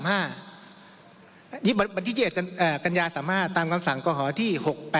อายุ๒๑กันยา๓๕ตามคำสั่งของหอที่๖๘๗๕